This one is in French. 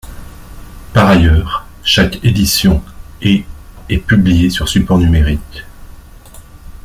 Par ailleurs, chaque édition, ' et ', est publié sur support numérique.